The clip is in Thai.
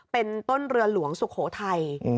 เป็นต้นเรือหลวงสุโขทัย